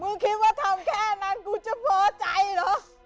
คิดว่าทำแค่นั้นกูจะพอใจเหรอ